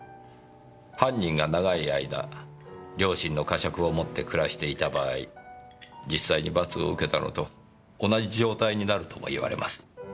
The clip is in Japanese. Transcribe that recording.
犯人が長い間良心の呵責をもって暮らしていた場合実際に罰を受けたのと同じ状態になるとも言われます。